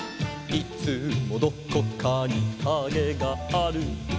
「いつもどこかにカゲがある」